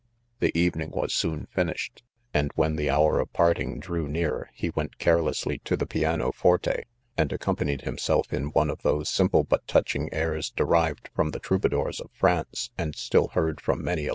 The evening 1 was finished, and wheal the hour of parting drew near he went carelessly to the piano. forte, and accom panied himself m one of those simple— kit touching aits derived from the troubadour s of France, and still heard from many a.